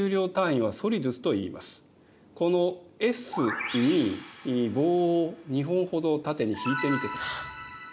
この「Ｓ」に棒を２本ほど縦に引いてみてください。